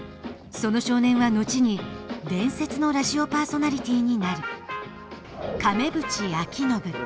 その少年は後に伝説のラジオパーソナリティーになる。